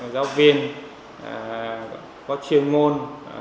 giáo viên có chuyên ngôn